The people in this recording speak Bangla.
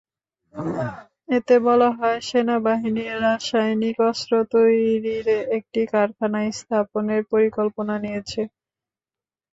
এতে বলা হয়, সেনাবাহিনী রাসায়নিক অস্ত্র তৈরির একটি কারখানা স্থাপনের পরিকল্পনা নিয়েছে।